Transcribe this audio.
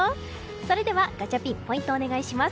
それではガチャピンポイントお願いします。